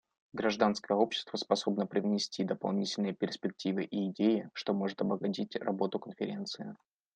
Гражданское общество способно привнести дополнительные перспективы и идеи, что может обогатить работу Конференции.